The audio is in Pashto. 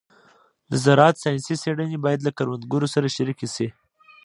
د زراعت ساینسي څېړنې باید له کروندګرو سره شریکې شي.